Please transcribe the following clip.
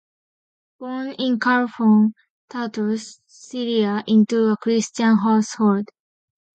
Born in Kafroun, Tartous, Syria into a Christian household.